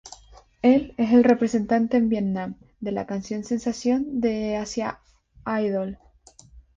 Él es represente en Vietnam, de la canción sensación de Asia Idol.